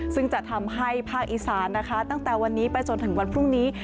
ซึ่งจะทำให้ภาคอีสานนะคะตั้งแต่วันนี้ไปจนถึงวันพรุ่งนี้